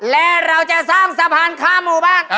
และเราจะสร้างสะพานข้ามหมู่บ้าน